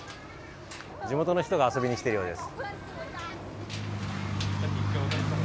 地元の人が遊びに来てるようです。